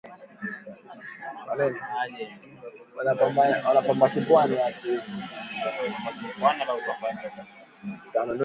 Watu wanahitaji kupata haki kwa wakati Harris alisema